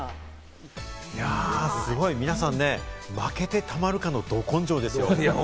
すごい、皆さん、「負けてたまるか！」のど根性ですよ。